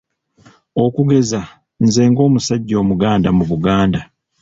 Okugeza, nze ng'omusajja Omuganda mu Buganda.